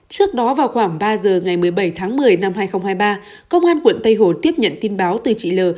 trước đó vào khoảng ba giờ ngày một mươi bảy tháng một mươi năm hai nghìn hai mươi ba công an quận tây hồ tiếp nhận tin báo từ chị l